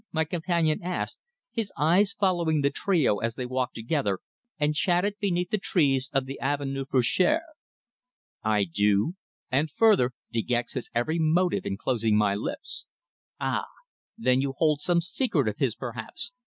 my companion asked, his eyes following the trio as they walked together and chatted beneath the trees of the Avenue Feuchères. "I do. And further, De Gex has every motive in closing my lips." "Ah! Then you hold some secret of his, perhaps?"